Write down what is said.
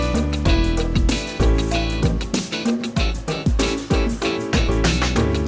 neng mau main kemana